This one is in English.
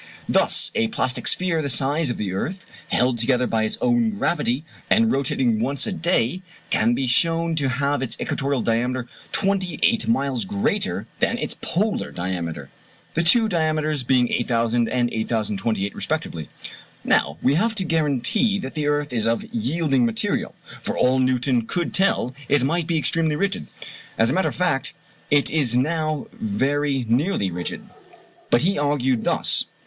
Thus a plastic sphere the size of the earth, held together by its own gravity, and rotating once a day, can be shown to have its equatorial diameter twenty eight miles greater than its polar diameter: the two diameters being 8,000 and 8,028 respectively. Now we have no guarantee that the earth is of yielding material: for all Newton could tell it might be extremely rigid. As a matter of fact it is now very nearly rigid. But he argued thus.